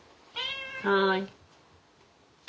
はい。